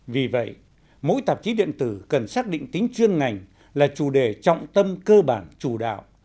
vì vậy mỗi tạp chí điện tử cần xác định tính chuyên ngành là chủ đề trọng tâm cơ bản chủ đạo